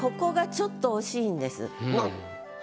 ちょっと惜しいんです。